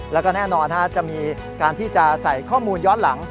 แล้วก็แน่นอนจะมีการที่จะใส่ข้อมูลย้อนหลัง